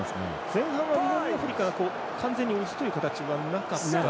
前半は南アフリカが完全に押す形はなかったと。